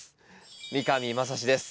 三上真史です。